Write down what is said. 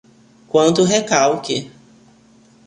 Quanto recalque